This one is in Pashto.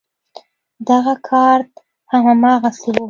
دغه کارت هم هماغسې و.